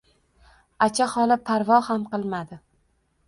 Acha xola parvo ham qilmadi.